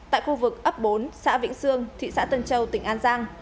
tại khu vực ấp bốn xã vĩnh sương thị xã tân châu tỉnh an giang